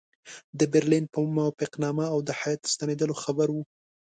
د برلین په موافقتنامه او د هیات ستنېدلو خبر وو.